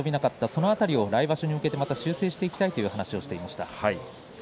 その辺りを来場所に向けてまた修正していきたいと話していました。